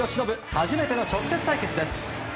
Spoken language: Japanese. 初めての直接対決です。